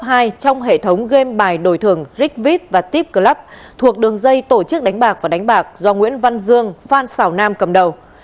hệ thống game bài đổi thường rig vip và tip club thuộc đường dây tổ chức đánh bạc và đánh bạc do nguyễn văn dương phan xào nam cầm đầu